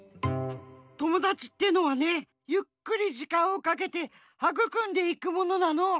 友だちってのはねゆっくりじかんをかけてはぐくんでいくものなの。